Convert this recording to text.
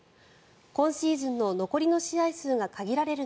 今シーズンの残りの試合数が限られる